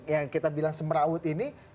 yang kita bilang semerawut ini